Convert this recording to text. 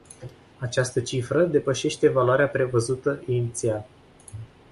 Această cifră depășește valoarea prevăzută inițial.